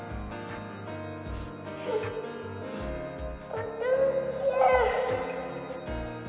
お父ちゃん。